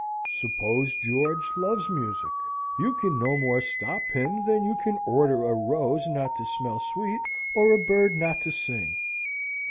Suppose George loves music? You can no more stop him than you can order a rose not to smell sweet, or a bird not to sing."